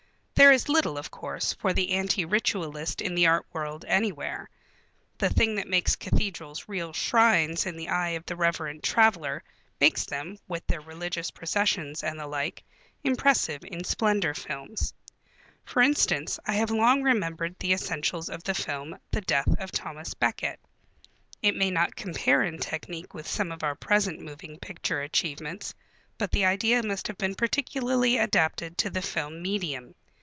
There is little, of course, for the anti ritualist in the art world anywhere. The thing that makes cathedrals real shrines in the eye of the reverent traveller makes them, with their religious processions and the like, impressive in splendor films. For instance, I have long remembered the essentials of the film, The Death of Thomas Becket. It may not compare in technique with some of our present moving picture achievements, but the idea must have been particularly adapted to the film medium.